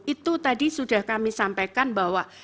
itu tadi sudah kami sampaikan bahwa